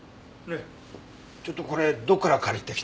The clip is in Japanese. ねえちょっとこれどこから借りてきた？